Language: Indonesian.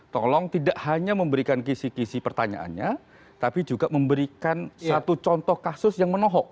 tolong tidak hanya memberikan kisi kisi pertanyaannya tapi juga memberikan satu contoh kasus yang menohok